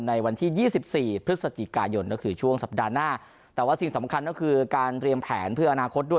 ในวันที่ยี่สิบสี่พฤศจิกายนก็คือช่วงสัปดาห์หน้าแต่ว่าสิ่งสำคัญก็คือการเตรียมแผนเพื่ออนาคตด้วย